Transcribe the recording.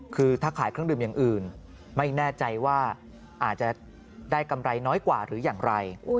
คือถ้าขายเครื่องดื่มอย่างอื่นไม่แน่ใจว่าอาจจะได้กำไรน้อยกว่าหรืออย่างไร